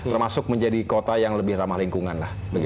termasuk menjadi kota yang lebih ramah lingkungan